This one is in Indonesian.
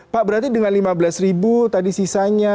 pak berarti dengan lima belas ribu tadi sisanya